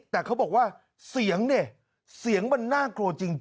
แต่เขาบอกว่าเสียงเนี่ยเสียงมันน่ากลัวจริง